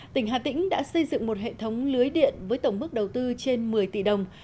tỉnh hà tĩnh đã xây dựng một hệ thống lưới điện với tổng mức đầu tư trên một mươi tỷ đồng